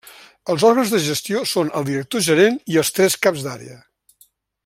Els òrgans de gestió són el director gerent i els tres caps d'àrea.